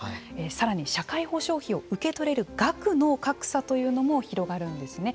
さらに社会保障費を受けとれる額の格差というのも広がるんですね。